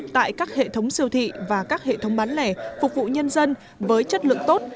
tại các hệ thống siêu thị và các hệ thống bán lẻ phục vụ nhân dân với chất lượng tốt